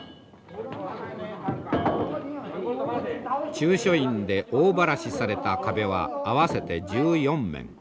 中書院で大ばらしされた壁は合わせて１４面。